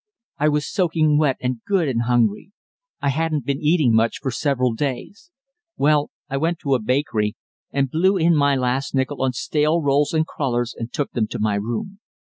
I was soaking wet and good and hungry; I hadn't been eating much for several days. Well, I went to a bakery and blew in my last nickel on stale rolls and crullers and took them to my room.